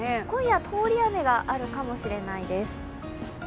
今夜、通り雨があるかもしれないです。